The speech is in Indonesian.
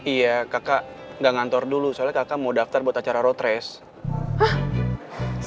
iya kakak gak ngantor dulu soalnya kakak mau daftar buat acara roadress